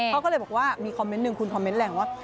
เขาก็เลยบอกว่ามีคอมเมนต์หนึ่งคุณคอมเมนต์แรงว่า